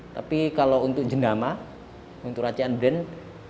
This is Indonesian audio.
tapi kalau untuk jendama untuk racian brand